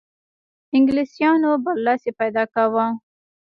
انګلیسیانو برلاسی پیدا کاوه.